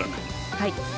はい。